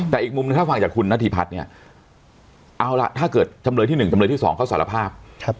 แต่อีกมุมหนึ่งถ้าฟังจากคุณนาธิพัฒน์เนี่ยเอาล่ะถ้าเกิดจำเลยที่๑จำเลยที่๒เขาสารภาพ